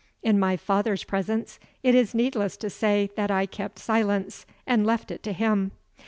In my father's presence, it is needless to say that I kept silence, and left it to him.